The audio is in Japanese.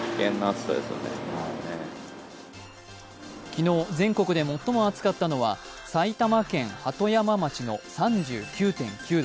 昨日、全国で最も暑かったのは埼玉県鳩山町の３９．９度。